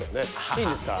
いいんですか？